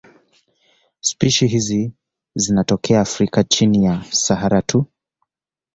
Spishi hizi zinatokea Afrika chini ya Sahara tu.